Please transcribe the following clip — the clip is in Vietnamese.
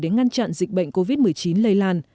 để ngăn chặn dịch bệnh covid một mươi chín lây lan